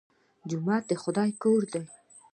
جومات د خدای کور دی